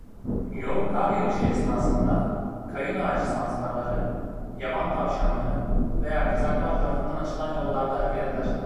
Yoğun kar yağışı esnasında, kayın ağacı sansarları, yaban tavşanları veya kızaklar tarafından açılan yollarda hareket eder.